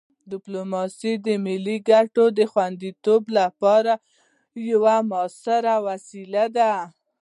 ډیپلوماسي د ملي ګټو د خوندیتوب لپاره یوه مؤثره وسیله ده.